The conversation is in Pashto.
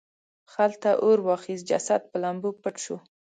خلته اور واخیست جسد په لمبو پټ شو.